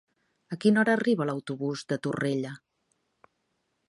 A quina hora arriba l'autobús de Torrella?